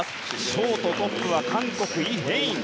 ショートトップは韓国のイ・ヘイン。